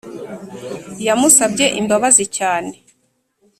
Yamusabye imbabazi cyane